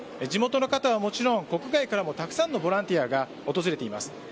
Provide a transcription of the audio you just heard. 地元の方はもちろん国外からもたくさんのボランティアが訪れています。